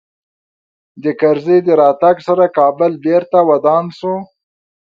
د کرزي د راتګ سره کابل بېرته ودان سو